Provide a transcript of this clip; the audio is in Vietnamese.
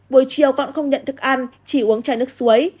buổi chiều con không nhận thức ăn chỉ uống chai nước suối